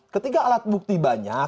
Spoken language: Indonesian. ketika alat bukti banyak